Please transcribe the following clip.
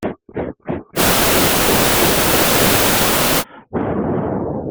Cette compagnie est l'une des trois plus importantes entreprises de Nagoya.